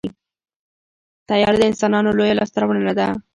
طیاره د انسانانو لویه لاسته راوړنه ده.